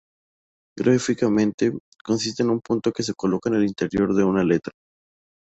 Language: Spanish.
Gráficamente, consiste en un punto que se coloca en el interior de una letra.